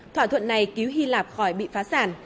thỏa thuận này cứu hy lạp khỏi bị phá sản